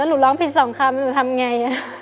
ถ้าหนูร้องผิด๒คำหนูทำยังไง